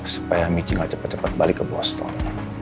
supaya michi enggak cepat cepat balik ke boston